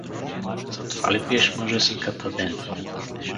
Затова ли биеш мъжа си ката ден!